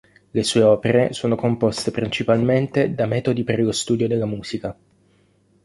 Le sue opere sono composte principalmente da metodi per lo studio della musica.